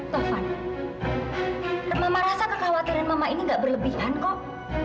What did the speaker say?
mama rasa kekhawatiran mama ini gak berlebihan kok